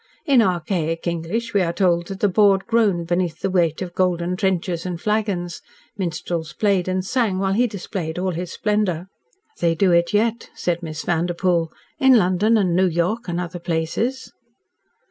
In archaic English we are told that the board groaned beneath the weight of golden trenchers and flagons. Minstrels played and sang, while he displayed all his splendour." "They do it yet," said Miss Vanderpoel, "in London and New York and other places."